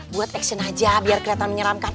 buat action aja biar kelihatan menyeramkan